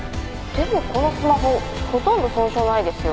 でもこのスマホほとんど損傷ないですよ。